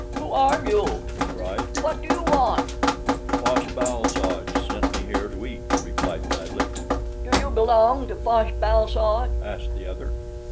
"Who are you?" he cried. "What do you want?" "Fosh bal soj sent me here to eat," replied Bradley. "Do you belong to Fosh bal soj?" asked the other.